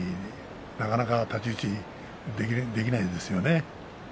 なかなか太刀打ちできないですよね。